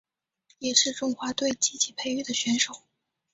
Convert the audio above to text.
也是中华队积极培育的选手。